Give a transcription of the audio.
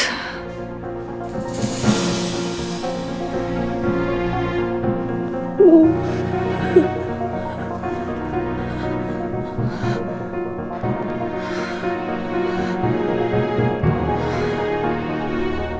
aku mau ke rumah sakit